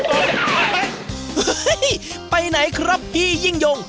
เฮ้ยไปไหนครับพี่ยิ่งย่อง